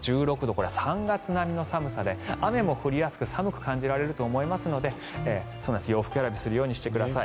これは３月並みの寒さで雨も降りますし寒く感じられると思いますので洋服選びするようにしてください。